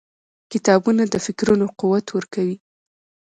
• کتابونه د فکرونو قوت ورکوي.